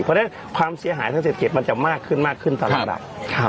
เพราะฉะนั้นความเสียหายทางเศรษฐกิจมันจะมากขึ้นมากขึ้นตามลำดับ